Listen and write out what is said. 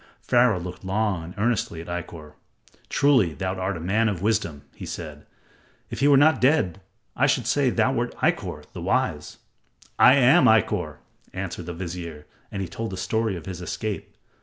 Pharaoh looked long and earnestly at Ikkor. "Truly, thou art a man of wisdom," he said. "If he were not dead I should say thou wert Ikkor, the wise." "I am Ikkor," answered the vizier, and he told the story of his escape.